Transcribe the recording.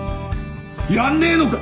やんねえのか！？